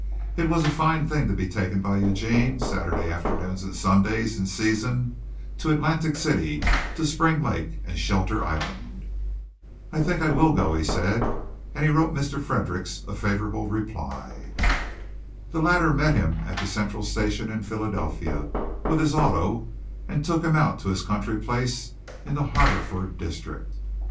It was a fine thing to be taken by Eugene Saturday afternoons and Sundays in season to Atlantic City, to Spring Lake, and Shelter Island. "I think I will go over," he said; and he wrote Mr. Fredericks a favorable reply. The latter met him at the central station in Philadelphia with his auto and took him out to his country place in the Haverford district.